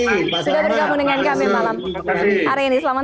terima kasih pak selamat